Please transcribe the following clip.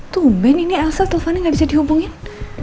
tumben ini elsa teleponnya gak bisa dihubungin